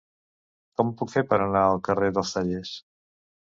Com ho puc fer per anar al carrer dels Tallers?